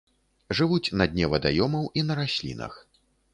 Жывуць на дне вадаёмаў і на раслінах.